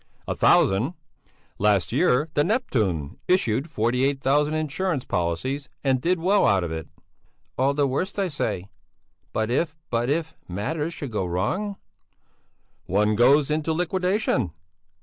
"A thousand? Last year the 'Neptune' issued forty eight thousand insurance policies, and did well out of it." "All the worse, I say! But if but if matters should go wrong...." "One goes into liquidation!"